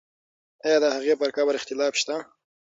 آیا د هغې پر قبر اختلاف شته؟